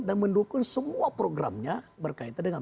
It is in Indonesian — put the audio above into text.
dan mendukung semua programnya berkaitan dengan